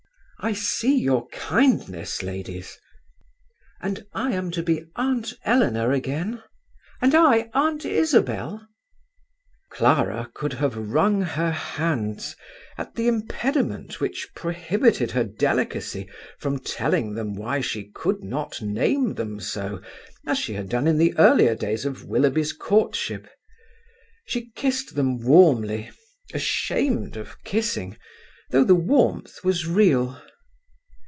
"I see your kindness, ladies." "And I am to be Aunt Eleanor again?" "And I Aunt Isabel?" Clara could have wrung her hands at the impediment which prohibited her delicacy from telling them why she could not name them so as she had done in the earlier days of Willoughby's courtship. She kissed them warmly, ashamed of kissing, though the warmth was real.